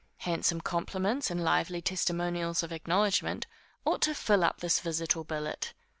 Handsome compliments, and lively testimonials of acknowledgment, ought to fill up this visit or billet.